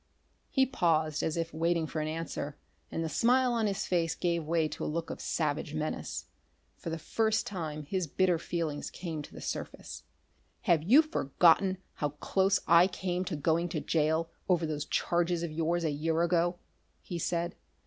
He paused, as if waiting for an answer, and the smile on his face gave way to a look of savage menace. For the first time his bitter feelings came to the surface. "Have you forgotten how close I came to going to jail over those charges of yours a year ago?" he said.